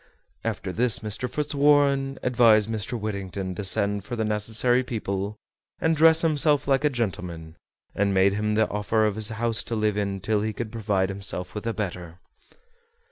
After this Mr. Fitzwarren advised Mr. Whittington to send for the necessary people and dress himself like a gentleman, and made him the offer of his house to live in till he could provide himself with a better.